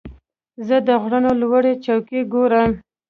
زه د غرونو لوړې څوکې ګورم.